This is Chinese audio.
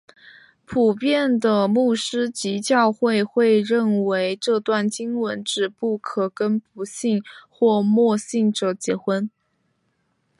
普遍的牧师及教会认为这段经文指不可跟不信或未信者结婚。